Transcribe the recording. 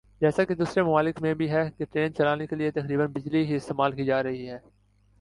جیسا کہ دوسرے ممالک میں بھی ہے کہ ٹرین چلانے کیلئے تقریبا بجلی ہی استعمال کی جارہی ھے